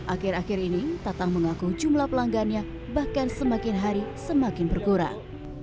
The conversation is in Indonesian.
akhir akhir ini tatang mengaku jumlah pelanggannya bahkan semakin hari semakin berkurang